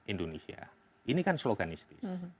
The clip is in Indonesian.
indonesia ini kan sloganistis